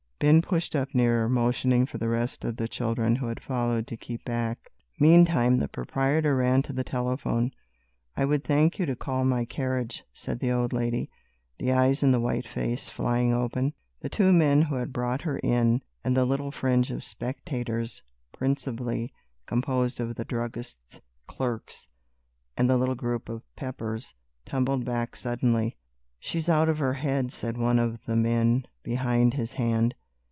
Ben pushed up nearer, motioning for the rest of the children who had followed to keep back. Meantime the proprietor ran to the telephone. "I would thank you to call my carriage," said the old lady, the eyes in the white face flying open. The two men who had brought her in, and the little fringe of spectators, principally composed of the druggist's clerks and the little group of Peppers, tumbled back suddenly. "She's out of her head," said one of the men behind his hand.